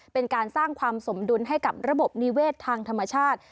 เป็นการสร้างความสมดุลให้กับระบบนิเวศทางธรรมชาติ